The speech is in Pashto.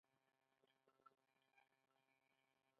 د پوستکي د خارښ لپاره د یخ اوبه وکاروئ